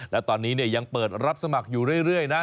แล้วตอนนี้ยังเปิดรับสมัครอยู่เรื่อยนะ